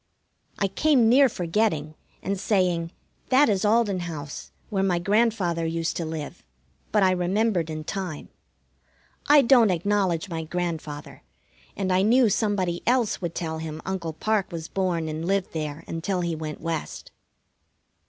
I came near forgetting, and saying, "That is Alden house, where my grandfather used to live," but I remembered in time. I don't acknowledge my grandfather, and I knew somebody else would tell him Uncle Parke was born and lived there until he went West.